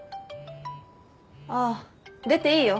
ああ出ていいよ。